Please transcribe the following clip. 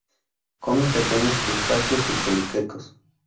Come pequeños crustáceos y poliquetos.